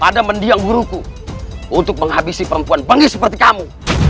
pada mendiang burukuh untuk menghabisi perempuan seperti kamu